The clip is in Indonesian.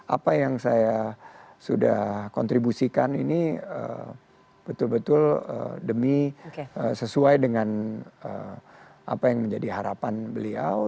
apa yang saya sudah kontribusikan ini betul betul demi sesuai dengan apa yang menjadi harapan beliau